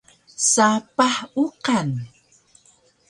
Sapah uqan